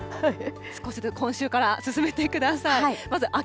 少しずつ今秋から進めてください。